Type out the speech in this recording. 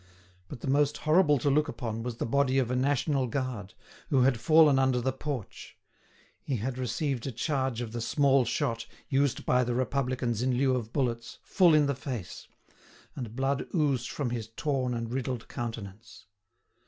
But the most horrible to look upon was the body of a national guard, who had fallen under the porch; he had received a charge of the small shot, used by the Republicans in lieu of bullets, full in the face; and blood oozed from his torn and riddled countenance.